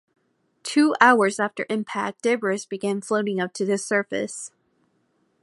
Two hours after impact, debris began floating up to the surface.